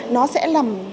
nó sẽ làm